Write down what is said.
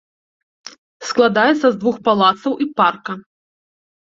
Складаецца з двух палацаў і парка.